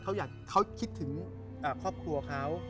เขาคิดถึงครอบครัวเขา